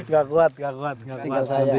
gak kuat gak kuat